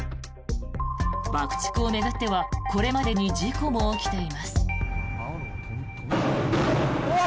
爆竹を巡ってはこれまでに事故も起きています。